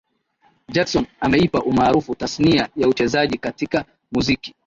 Jackson ameipa umaarufu tasnia ya uchezaji katika muziki